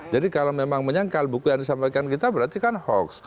jadi kalau memang menyangkal buku yang disampaikan kita berarti kan hoax